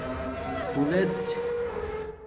پُھولڎ